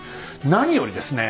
何よりですね